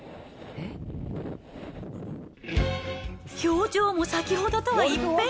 表情も先ほどとは一変。